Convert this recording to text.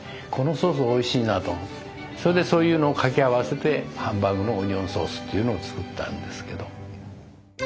このソースおいしいなと思ってそれでそういうのをかき合わせてハンバーグのオニオンソースっていうのを作ったんですけど。